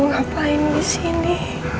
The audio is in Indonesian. kamu ngapain disini